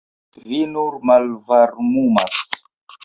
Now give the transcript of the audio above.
Vi nur malvarmumas.